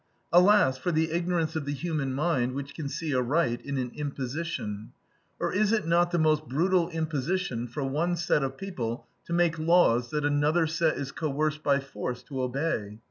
Alas, for the ignorance of the human mind, which can see a right in an imposition. Or is it not the most brutal imposition for one set of people to make laws that another set is coerced by force to obey?